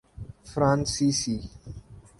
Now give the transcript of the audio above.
فرانسیسی